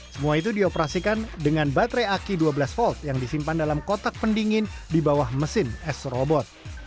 semua itu dioperasikan dengan baterai aki dua belas volt yang disimpan dalam kotak pendingin di bawah mesin s robot